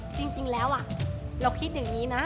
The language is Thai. จริงแล้วเราคิดอย่างนี้นะ